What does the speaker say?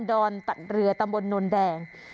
ดอนเรือตำบลนนนแดง